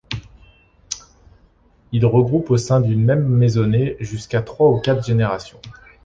Il regroupe au sein d'une même maisonnée, jusqu'à trois ou quatre générations.